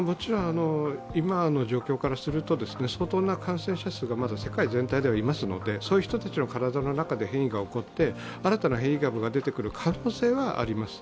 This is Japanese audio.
今の状況からすると相当な感染者数がまだ世界全体ではいますので、そういう人たちは、体の中で変異が起こって、新たな変異株が出てくる可能性はあります。